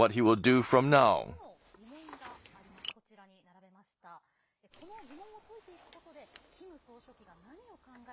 この疑問を解いていくことでキム総書記が何を考え